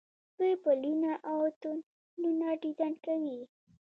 دوی پلونه او تونلونه ډیزاین کوي.